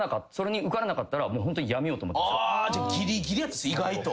じゃあギリギリやったんすね意外と。